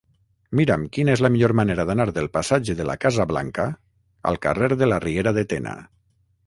Mira'm quina és la millor manera d'anar del passatge de la Casa Blanca al carrer de la Riera de Tena.